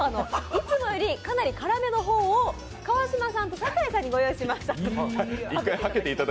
いつもよりかなり辛めの方を川島さんと酒井さんにご用意しました。